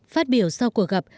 phát biểu sau cuộc gặp